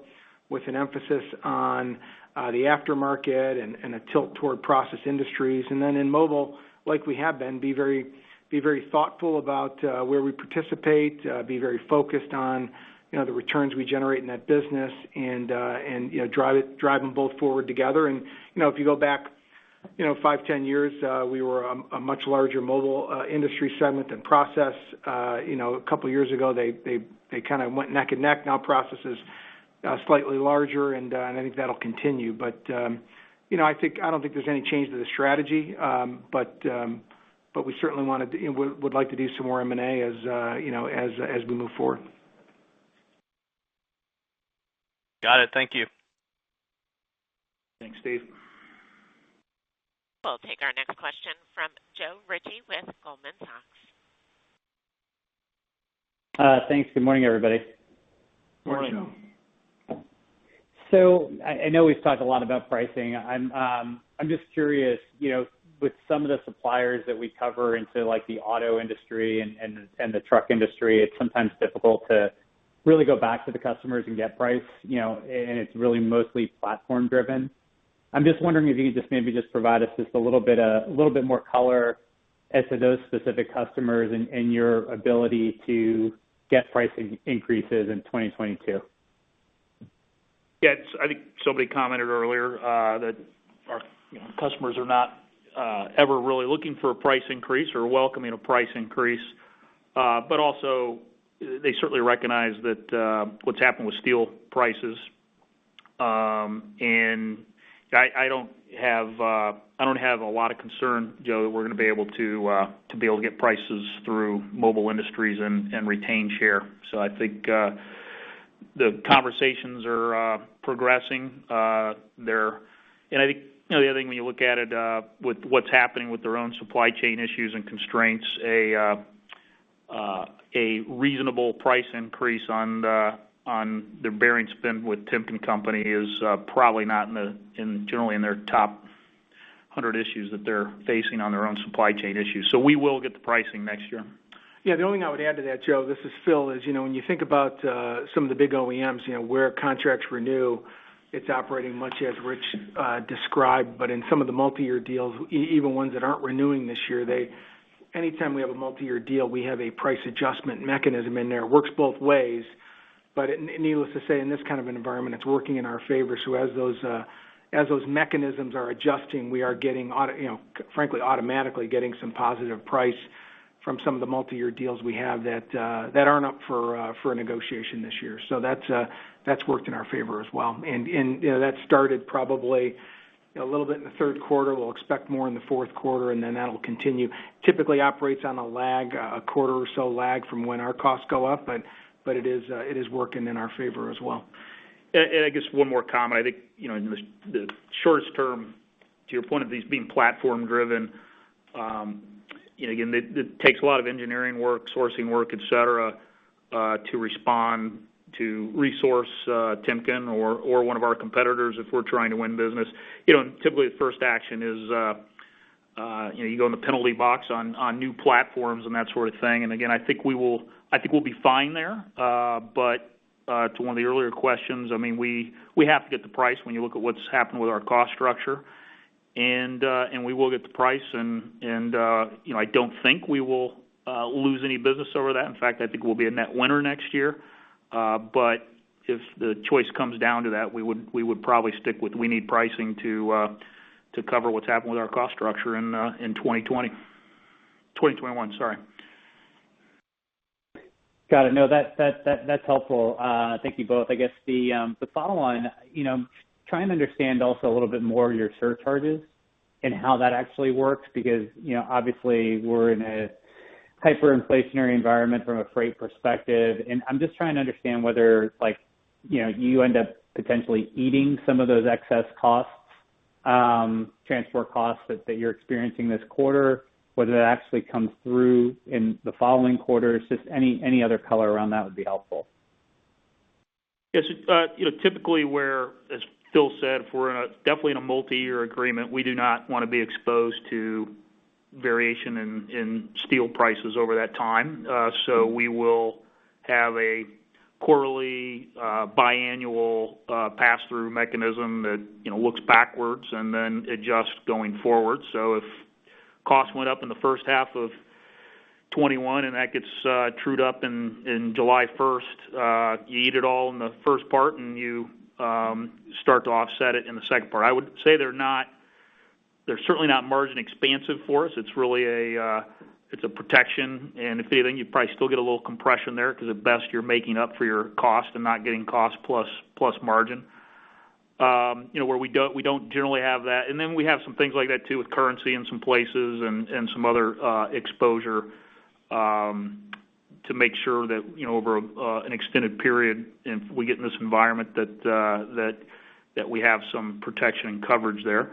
S4: with an emphasis on the aftermarket and a tilt toward Process Industries. Then in Mobile Industries, like we have been, be very thoughtful about where we participate, be very focused on the returns we generate in that business and drive them both forward together. You know, if you go back five, 10 years, we were a much larger Mobile Industries segment than Process Industries. You know, a couple years ago, they kinda went neck and neck. Now Process Industries is slightly larger and I think that'll continue. You know, I don't think there's any change to the strategy. We certainly wanted to and would like to do some more M&A as you know, as we move forward.
S9: Got it. Thank you.
S3: Thanks, Steve.
S1: We'll take our next question from Joe Ritchie with Goldman Sachs.
S10: Thanks. Good morning, everybody.
S3: Morning, Joe.
S10: I know we've talked a lot about pricing. I'm just curious, you know, with some of the suppliers that we cover into like the auto industry and the truck industry, it's sometimes difficult to really go back to the customers and get price, you know, and it's really mostly platform driven. I'm just wondering if you could just maybe just provide us just a little bit, a little bit more color as to those specific customers and your ability to get price increases in 2022.
S3: Yeah. I think somebody commented earlier that our, you know, customers are not ever really looking for a price increase or welcoming a price increase. Also they certainly recognize that what's happened with steel prices. I don't have a lot of concern, Joe, that we're going to be able to get prices through Mobile Industries and retain share. I think the conversations are progressing. I think, you know, the other thing when you look at it with what's happening with their own supply chain issues and constraints, a reasonable price increase on their bearing spend with Timken Company is probably not, in general, in their top 100 issues that they're facing on their own supply chain issues. We will get the pricing next year.
S4: Yeah. The only thing I would add to that, Joe, this is Philip, is, you know, when you think about some of the big OEMs, you know, where contracts renew, it's operating much as Rich described. In some of the multi-year deals, even ones that aren't renewing this year, they. Anytime we have a multi-year deal, we have a price adjustment mechanism in there. It works both ways. Needless to say, in this kind of an environment, it's working in our favor. As those mechanisms are adjusting, we are getting, you know, frankly, automatically getting some positive price from some of the multi-year deals we have that aren't up for a negotiation this year. That's worked in our favor as well. You know, that started probably a little bit in the Q3. We'll expect more in the Q4, and then that'll continue. Typically operates on a lag, a quarter or so lag from when our costs go up, but it is working in our favor as well.
S3: I guess one more comment. I think, you know, in the short term, to your point of these being platform driven, you know, again, it takes a lot of engineering work, sourcing work, et cetera, to respond to resource Timken or one of our competitors if we're trying to win business. You know, typically, the first action is, you know, you go in the penalty box on new platforms and that sort of thing. I think we'll be fine there. To one of the earlier questions, I mean, we have to get the price when you look at what's happened with our cost structure. We will get the price and, you know, I don't think we will lose any business over that. In fact, I think we'll be a net winner next year. If the choice comes down to that, we would probably stick with we need pricing to cover what's happened with our cost structure in 2020. 2021, sorry.
S10: Got it. No. That's helpful. Thank you both. I guess the follow on, you know, trying to understand also a little bit more of your surcharges and how that actually works because, you know, obviously we're in a hyperinflationary environment from a freight perspective. I'm just trying to understand whether it's like, you know, you end up potentially eating some of those excess costs, transport costs that you're experiencing this quarter, whether that actually comes through in the following quarters. Just any other color around that would be helpful.
S3: Yes. You know, typically, as Phil said, if we're definitely in a multi-year agreement, we do not want to be exposed to variation in steel prices over that time. We will have a quarterly biannual pass-through mechanism that, you know, looks backwards and then adjusts going forward. If costs went up in the first half of 2021 and that gets trued up in July 1, you eat it all in the first part, and you start to offset it in the second part. I would say they're certainly not margin expansive for us. It's really a protection and a feeling you probably still get a little compression there because at best you're making up for your cost and not getting cost plus margin. You know, where we don't generally have that. We have some things like that too with currency in some places and some other exposure to make sure that, you know, over an extended period and we get in this environment that we have some protection and coverage there.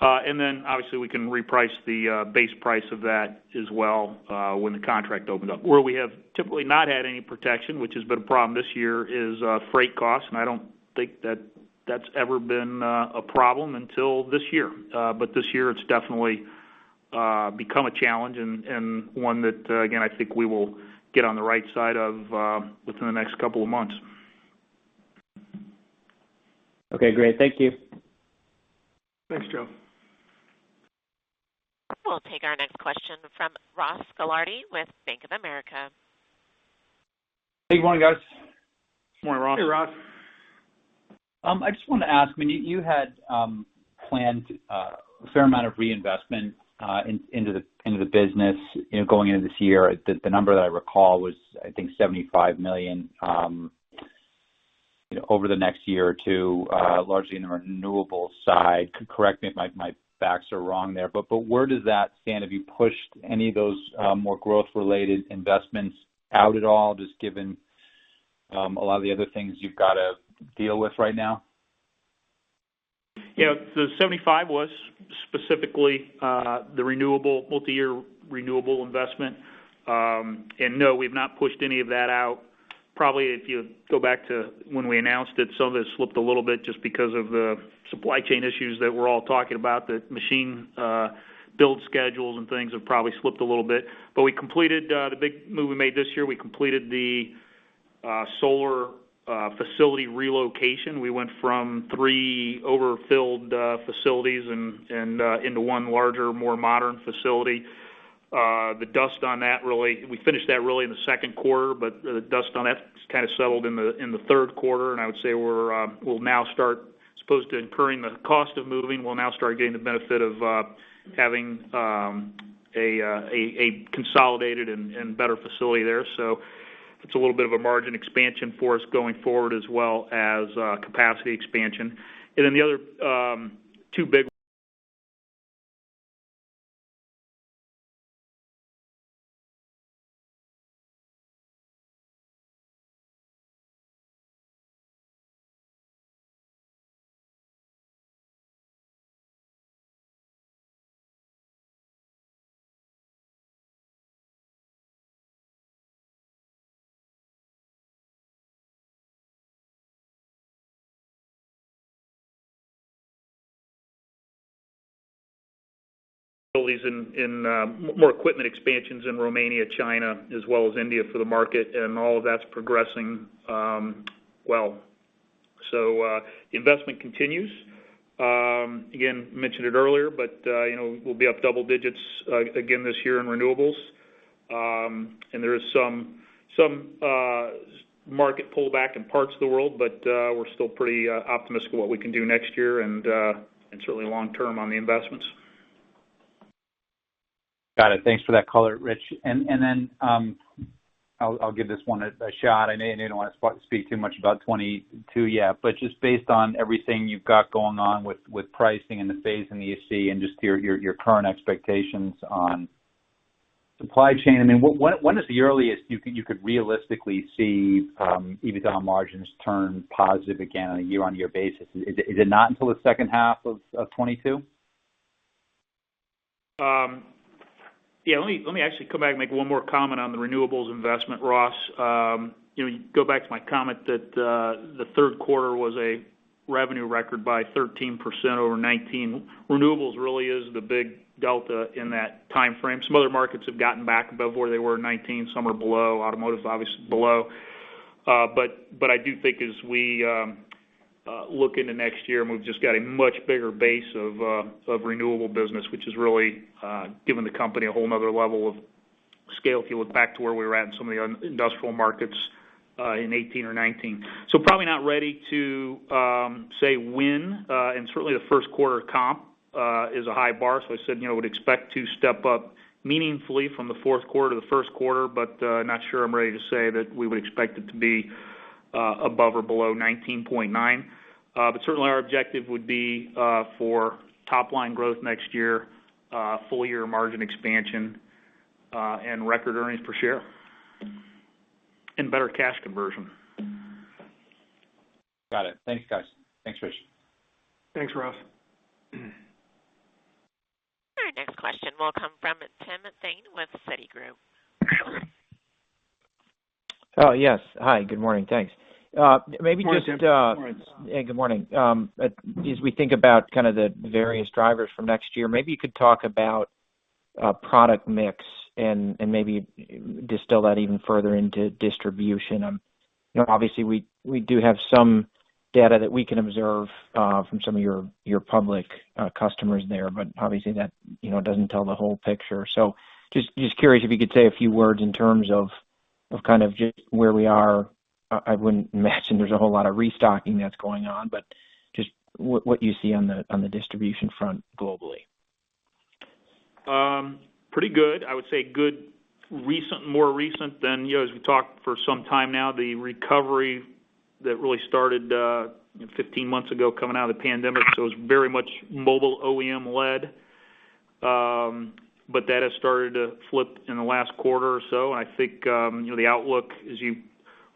S3: Obviously we can reprice the base price of that as well when the contract opened up. Where we have typically not had any protection, which has been a problem this year, is freight costs. I don't think that that's ever been a problem until this year. This year it's definitely become a challenge and one that again I think we will get on the right side of within the next couple of months.
S10: Okay, great. Thank you.
S4: Thanks, Joe.
S1: We'll take our next question from Ross Gilardi with Bank of America.
S11: Hey, good morning, guys.
S3: Morning, Ross.
S4: Hey, Ross.
S11: I just wanted to ask, I mean, you had planned a fair amount of reinvestment into the business, you know, going into this year. The number that I recall was, I think $75 million, you know, over the next year or two, largely in the renewable side. Correct me if my facts are wrong there, but where does that stand? Have you pushed any of those more growth related investments out at all, just given a lot of the other things you've got to deal with right now?
S3: Yeah, the $75 was specifically the renewable, multi-year renewable investment. No, we've not pushed any of that out. Probably if you go back to when we announced it, some of it slipped a little bit just because of the supply chain issues that we're all talking about. The machine build schedules and things have probably slipped a little bit. We completed the big move we made this year. We completed the solar facility relocation. We went from three overfilled facilities into one larger, more modern facility. We finished that really in the Q2, but the dust on it's kind of settled in the Q3. I would say we're now starting. As opposed to incurring the cost of moving, we'll now start getting the benefit of having a consolidated and better facility there. It's a little bit of a margin expansion for us going forward, as well as capacity expansion. Then the other two big facilities in more equipment expansions in Romania, China, as well as India for the market, and all of that's progressing well. Investment continues. Again, mentioned it earlier, but you know, we'll be up double digits again this year in renewables. There is some market pullback in parts of the world, but we're still pretty optimistic what we can do next year and certainly long term on the investments.
S11: Got it. Thanks for that color, Rich. Then I'll give this one a shot. I know you don't want to speak too much about 2022 yet, but just based on everything you've got going on with pricing and the phase in the AC and just your current expectations on supply chain, I mean, when is the earliest you could realistically see EBITDA margins turn positive again on a year-on-year basis? Is it not until the second half of 2022?
S3: Yeah, let me actually come back and make one more comment on the renewables investment, Ross. You know, go back to my comment that the Q3 was a revenue record by 13% over 2019. Renewables really is the big delta in that timeframe. Some other markets have gotten back above where they were in 2019. Some are below. Automotive, obviously below. I do think as we look into next year, and we've just got a much bigger base of renewable business, which is really giving the company a whole nother level of scale, if you look back to where we were at in some of the industrial markets in 2018 or 2019. Probably not ready to say when, and certainly the Q1 comp is a high bar. I said, you know, I would expect to step up meaningfully from the Q4 to the Q1, but not sure I'm ready to say that we would expect it to be above or below 19.9%. Certainly our objective would be for top line growth next year, full year margin expansion, and record earnings per share and better cash conversion.
S11: Got it. Thanks, guys. Thanks, Rich.
S3: Thanks, Ross.
S1: Our next question will come from Tim Thein with Citigroup.
S12: Oh, yes. Hi, good morning. Thanks. Maybe just,
S3: Good morning, Tim. Good morning.
S12: Yeah, good morning. As we think about kind of the various drivers for next year, maybe you could talk about product mix and maybe distill that even further into distribution. You know, obviously, we do have some data that we can observe from some of your public customers there, but obviously that you know doesn't tell the whole picture. Just curious if you could say a few words in terms of of kind of just where we are. I wouldn't imagine there's a whole lot of restocking that's going on, but just what you see on the distribution front globally.
S3: Pretty good. I would say good recent, more recent than, you know, as we talked for some time now, the recovery that really started, you know, 15 months ago coming out of the pandemic. It was very much Mobile OEM led. That has started to flip in the last quarter or so. I think, you know, the outlook as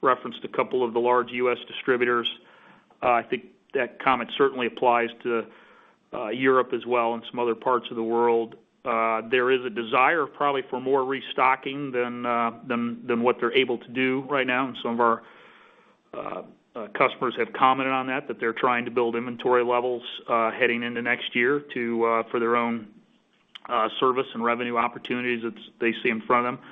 S3: you referenced a couple of the large U.S. distributors, I think that comment certainly applies to Europe as well and some other parts of the world. There is a desire probably for more restocking than what they're able to do right now, and some of our customers have commented on that that they're trying to build inventory levels heading into next year to, for their own service and revenue opportunities that they see in front of them.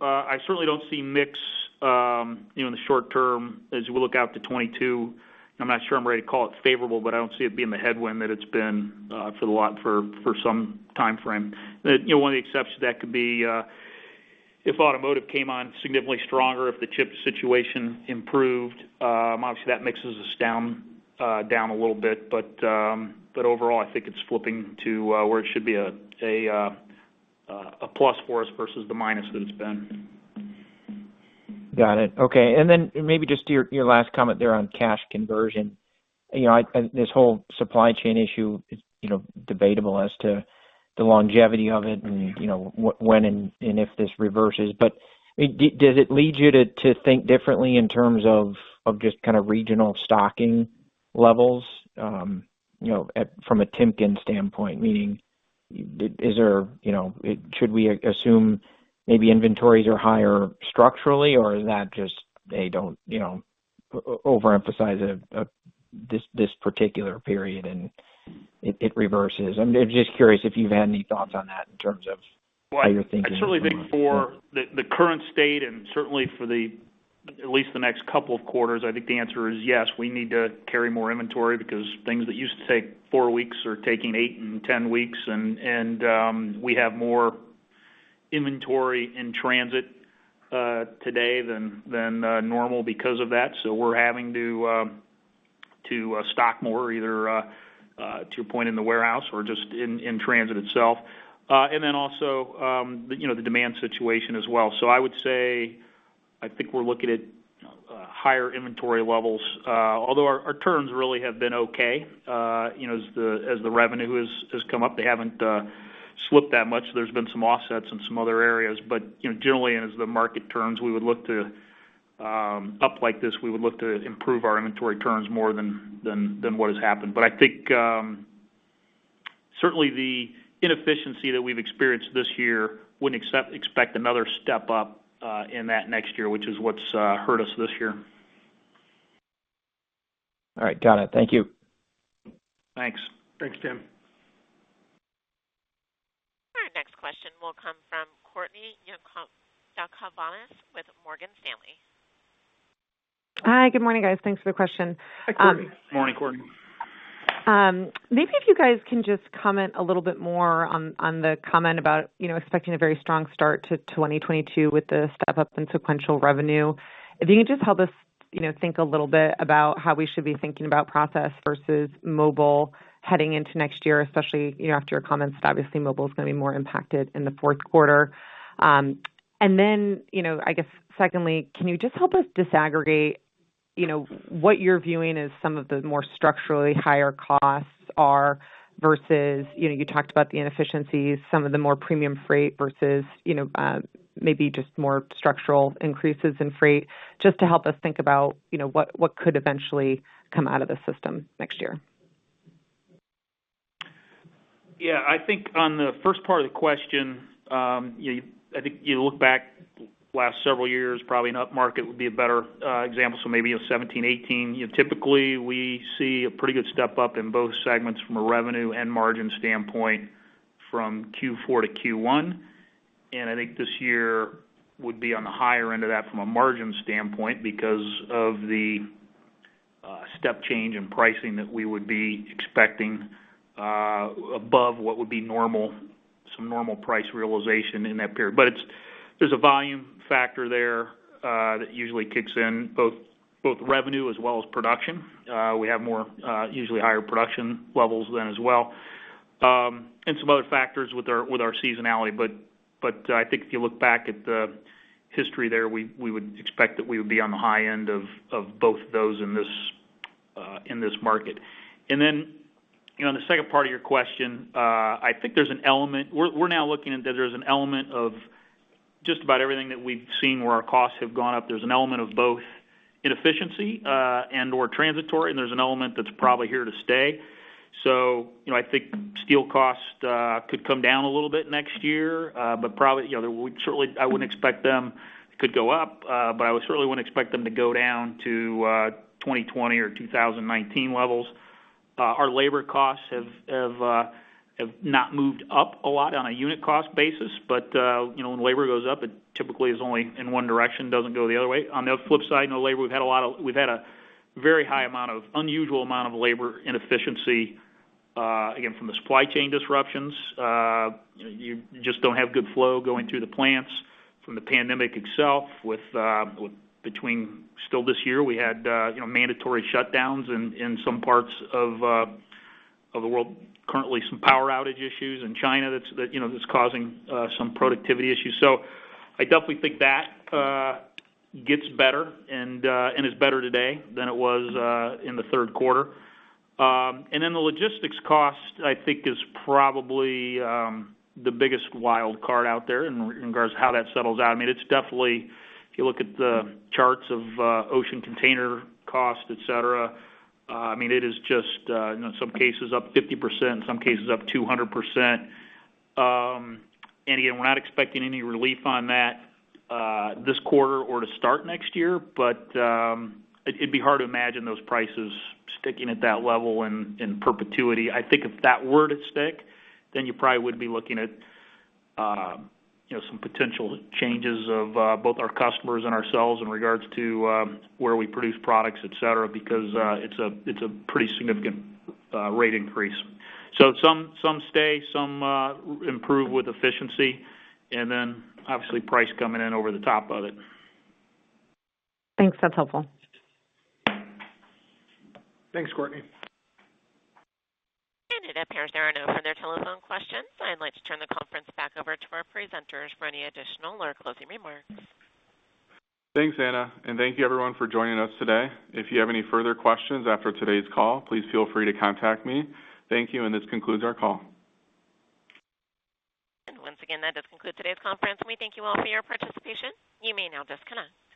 S3: I certainly don't see mix you know in the short term as we look out to 2022. I'm not sure I'm ready to call it favorable, but I don't see it being the headwind that it's been for some timeframe. You know, one of the exceptions to that could be if automotive came on significantly stronger, if the chip situation improved obviously that mixes us down a little bit. Overall, I think it's flipping to where it should be a plus for us versus the minus that it's been.
S12: Got it. Okay. Then maybe just to your last comment there on cash conversion. You know, this whole supply chain issue is, you know, debatable as to the longevity of it and, you know, when and if this reverses. But did it lead you to think differently in terms of just kind of regional stocking levels, you know, from a Timken standpoint, meaning is there, you know. Should we assume maybe inventories are higher structurally or is that just, hey, don't, you know, overemphasize it, this particular period and it reverses. I'm just curious if you've had any thoughts on that in terms of how you're thinking.
S3: I certainly think for the current state and certainly for at least the next couple of quarters, I think the answer is yes, we need to carry more inventory because things that used to take 4 weeks are taking 8 and 10 weeks. We have more inventory in transit today than normal because of that. We're having to stock more either to a point in the warehouse or just in transit itself. The demand situation as well. I would say I think we're looking at higher inventory levels. Although our turns really have been okay. You know, as the revenue has come up, they haven't slipped that much. There's been some offsets in some other areas. You know, generally as the market turns, we would look to up like this, we would look to improve our inventory turns more than what has happened. I think certainly the inefficiency that we've experienced this year wouldn't expect another step up in that next year, which is what's hurt us this year.
S12: All right. Got it. Thank you.
S3: Thanks.
S2: Thanks, Tim.
S1: Our next question will come from Courtney Yakavonis with Morgan Stanley.
S13: Hi, good morning, guys. Thanks for the question.
S3: Hi, Courtney.
S2: Morning, Courtney.
S13: Maybe if you guys can just comment a little bit more on the comment about, you know, expecting a very strong start to 2022 with the step up in sequential revenue. If you could just help us, you know, think a little bit about how we should be thinking about Process versus Mobile heading into next year, especially, you know, after your comments that obviously Mobile is going to be more impacted in the Q4. I guess secondly, can you just help us disaggregate, you know, what you're viewing as some of the more structurally higher costs are versus, you know, you talked about the inefficiencies, some of the more premium freight versus, you know, maybe just more structural increases in freight, just to help us think about, you know, what could eventually come out of the system next year.
S3: Yeah. I think on the first part of the question, I think you look back last several years, probably an upmarket would be a better example. So maybe, you know, 17, 18. You know, typically, we see a pretty good step up in both segments from a revenue and margin standpoint from Q4 to Q1. I think this year would be on the higher end of that from a margin standpoint because of the step change in pricing that we would be expecting above what would be normal, some normal price realization in that period. There's a volume factor there that usually kicks in both revenue as well as production. We have more usually higher production levels then as well. Some other factors with our seasonality. I think if you look back at the history there, we would expect that we would be on the high end of both of those in this market. Then, you know, on the second part of your question, I think there's an element. We're now looking at that there's an element of just about everything that we've seen where our costs have gone up. There's an element of both inefficiency and/or transitory, and there's an element that's probably here to stay. You know, I think steel costs could come down a little bit next year, but probably, you know, I certainly wouldn't expect them to go up, but I certainly wouldn't expect them to go down to 2020 or 2019 levels. Our labor costs have not moved up a lot on a unit cost basis. You know, when labor goes up, it typically is only in one direction, doesn't go the other way. On the flip side, you know, labor, we've had an unusual amount of labor inefficiency, again, from the supply chain disruptions. You just don't have good flow going through the plants from the pandemic itself, even this year we had mandatory shutdowns in some parts of the world. Currently, some power outage issues in China that's causing some productivity issues. You know, that's causing some productivity issues. I definitely think that gets better and is better today than it was in the Q3. The logistics cost, I think, is probably the biggest wild card out there in regards to how that settles out. I mean, it's definitely. If you look at the charts of ocean container costs, et cetera, I mean, it is just you know, in some cases up 50%, in some cases up 200%. We're not expecting any relief on that this quarter or to start next year. It'd be hard to imagine those prices sticking at that level in perpetuity. I think if that were to stick, then you probably would be looking at you know, some potential changes of both our customers and ourselves in regards to where we produce products, et cetera, because it's a pretty significant rate increase. Some stay, some improve with efficiency, and then obviously price coming in over the top of it.
S13: Thanks. That's helpful.
S2: Thanks, Courtney.
S1: It appears there are no further telephone questions. I'd like to turn the conference back over to our presenters for any additional or closing remarks.
S2: Thanks, Anna, and thank you everyone for joining us today. If you have any further questions after today's call, please feel free to contact me. Thank you, and this concludes our call.
S1: Once again, that does conclude today's conference. We thank you all for your participation. You may now disconnect.